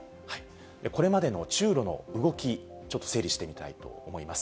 これまでの中ロの動き、ちょっと整理してみたいと思います。